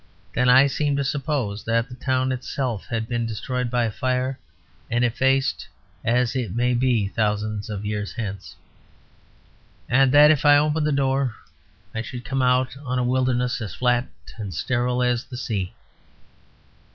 Then I seemed to suppose that the town itself had been destroyed by fire, and effaced, as it may be thousands of years hence, and that if I opened the door I should come out on a wilderness as flat and sterile as the sea.